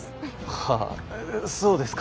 はぁそうですか。